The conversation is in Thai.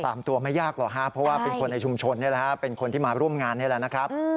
ตามตัวไม่ยากหรอกฮะเพราะว่าเป็นคนในชุมชนนี่แหละฮะเป็นคนที่มาร่วมงานนี่แหละนะครับ